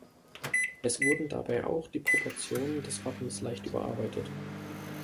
Es wurden dabei auch die Proportionen des Wappens leicht überarbeitet.